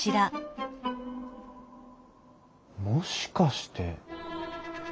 もしかして。